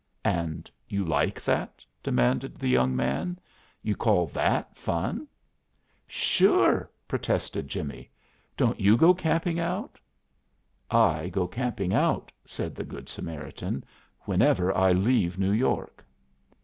"And you like that?" demanded the young man. "You call that fun?" "Sure!" protested Jimmie. "Don't you go camping out?" "I go camping out," said the Good Samaritan, "whenever I leave New York."